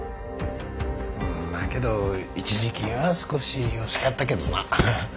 まあけど一時金は少し惜しかったけどな。